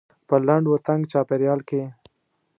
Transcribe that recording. په لنډ و تنګ چاپيریال کې.